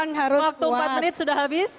dengan waktu empat menit sudah habis